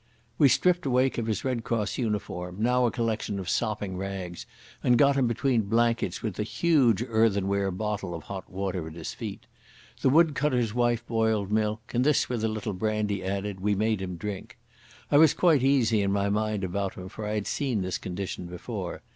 We stripped Wake of his Red Cross uniform, now a collection of sopping rags, and got him between blankets with a huge earthenware bottle of hot water at his feet. The woodcutter's wife boiled milk, and this, with a little brandy added, we made him drink. I was quite easy in my mind about him, for I had seen this condition before.